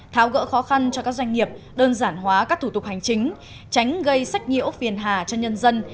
tháo gỡ khó khăn cho các doanh nghiệp đơn giản hóa các thủ tục hành chính tránh gây sách nhiễu phiền hà cho nhân dân